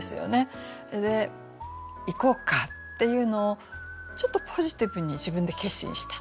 で行こうかっていうのをちょっとポジティブに自分で決心した。